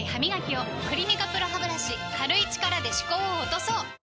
「クリニカＰＲＯハブラシ」軽い力で歯垢を落とそう！